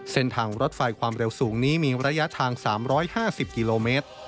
เส้นทางรถไฟความเร็วสูงนี้มีระยะทาง๓๕๐กิโลเมตร